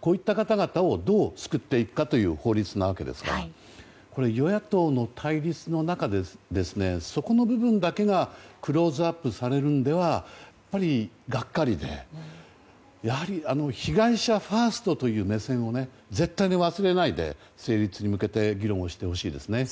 こういった方々をどう救っていくかという法律なわけですから与野党の対立の中でそこの部分だけがクローズアップされるのではがっかりでやはり被害者ファーストという目線を絶対に忘れないで成立に向けて議論をしてほしいですね。